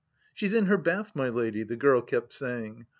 She's in her bath, my lady !" the girl kept saying. ..